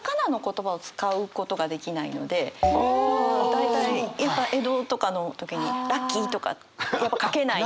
大体江戸とかの時に「ラッキー」とか書けない。